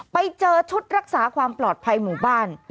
ไปเจอชุดรักษาความปลอดภัยหมู่บ้าน